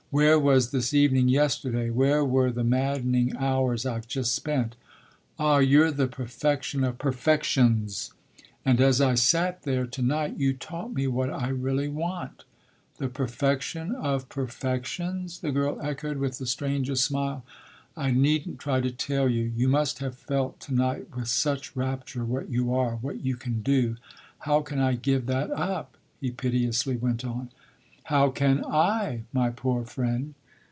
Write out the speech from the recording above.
Where was this evening yesterday where were the maddening hours I've just spent? Ah you're the perfection of perfections, and as I sat there to night you taught me what I really want." "The perfection of perfections?" the girl echoed with the strangest smile. "I needn't try to tell you: you must have felt to night with such rapture what you are, what you can do. How can I give that up?" he piteously went on. "How can I, my poor friend?